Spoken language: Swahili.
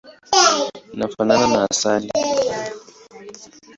Inafanana na asali.